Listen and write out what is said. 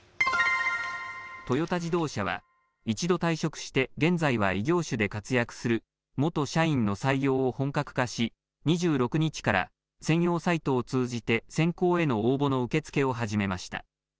トヨタ自動車は、一度退職して、現在は異業種で活躍する元社員の採用を本格化し、２６日から専用サイトを通じて、選考への応募の受け付けを始めました。